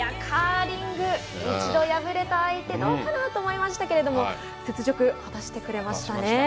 カーリング一度敗れた相手どうかなと思いましたが雪辱、果たしてくれましたね。